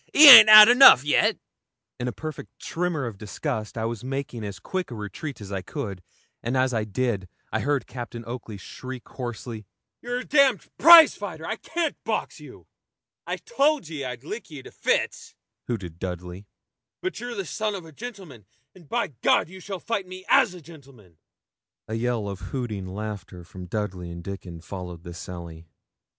He han't enough yet.' In a perfect tremor of disgust, I was making as quick a retreat as I could, and as I did, I heard Captain Oakley shriek hoarsely 'You're a d prizefighter; I can't box you.' 'I told ye I'd lick ye to fits,' hooted Dudley. 'But you're the son of a gentleman, and by you shall fight me as a gentleman.' A yell of hooting laughter from Dudley and Dickon followed this sally.